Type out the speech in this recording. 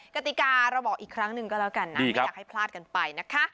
กติกาเราบอกอีกครั้งหนึ่งก็แล้วกันนะไม่อยากให้พลาดกันไปนะคะ